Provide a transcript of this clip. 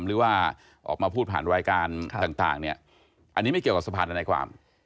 หรือว่าออกมาพูดผ่านรายการต่างเนี่ยอันนี้ไม่เกี่ยวกับสะพานทนายความ